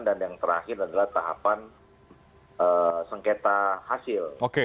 dan yang terakhir adalah tahapan sengketa hasil